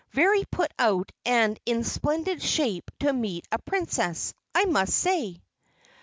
"Very put out and in splendid shape to meet a Princess, I must say."